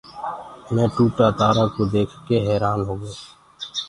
مينٚ ٽوٽآ تآرآ ڪوُ ديک ڪيٚ حيرآن هوگو۔